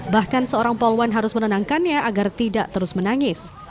bahkan seorang poluan harus menenangkannya agar tidak terus menangis